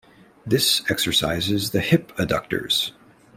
This exercises the hip adductors.